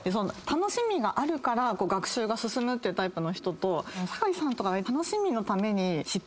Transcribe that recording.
楽しみがあるから学習が進むっていうタイプの人と酒井さんとか楽しみのために。